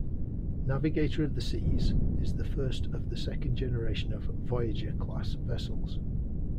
"Navigator of the Seas" is the first of the second generation of "Voyager"-class vessels.